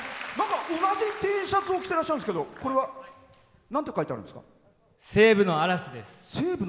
同じＴシャツを着てらっしゃるんですけどなんて書いてあるんですか？